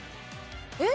えっ？